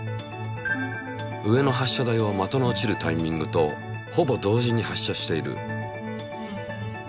上の発射台は的の落ちるタイミングとほぼ同時に発射している。